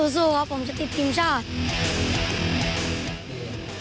สู้ครับผมจะติดทีมชาติ